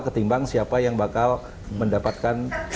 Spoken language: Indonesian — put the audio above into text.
ketimbang siapa yang bakal mendapatkan